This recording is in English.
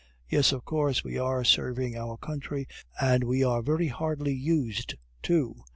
"Yes, of course, we are serving our country, and we are very hardly used too.